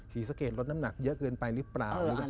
ศรีสะเกดลดน้ำหนักเยอะเกินไปหรือเปล่า